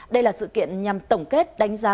đây là sự kiện nhằm tổng kết đánh giá